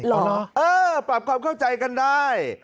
เหรอเออปรับความเข้าใจกันได้